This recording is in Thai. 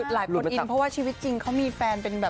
หลายคนอินเพราะว่าชีวิตจริงเขามีแฟนเป็นแบบ